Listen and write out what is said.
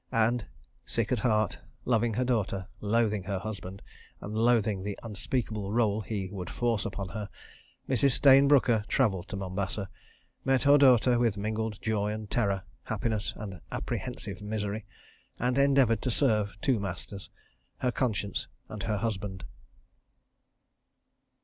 ... And, sick at heart, loving her daughter, loathing her husband, and loathing the unspeakable rôle he would force upon her, Mrs. Stayne Brooker travelled to Mombasa, met her daughter with mingled joy and terror, happiness and apprehensive misery, and endeavoured to serve two masters—her conscience and her husband.